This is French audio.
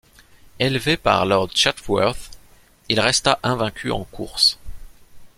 Élevé par Lord Chedworth, il resta invaincu en course.